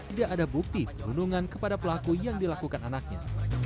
tidak ada bukti perundungan kepada pelaku yang dilakukan anaknya